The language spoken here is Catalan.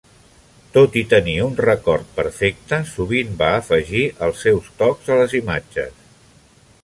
Tot i tenir un record perfecte, sovint va afegir els seus tocs a les imatges.